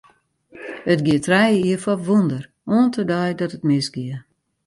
It gie trije jier foar wûnder, oant de dei dat it misgie.